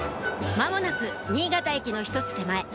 間もなく新潟駅の１つ手前